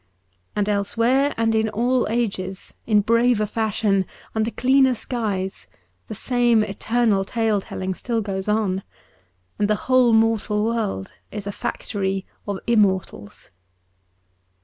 And elsewhere, and in all ages, in braver fashion, under cleaner skies, the same eternal tale telling still goes on, and the whole mortal world is a factory of immortals.